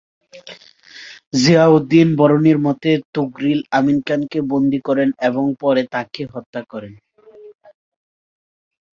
জিয়াউদ্দীন বরনীর মতে, তুগরিল আমীন খানকে বন্দি করেন এবং পরে তাঁকে হত্যা করেন।